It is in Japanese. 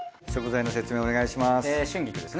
食材の説明お願いします。